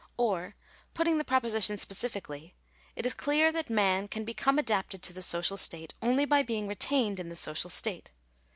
Or, putting the proposition specifically — it is clear that man can become adapted to the social state, only by being retained in the social state.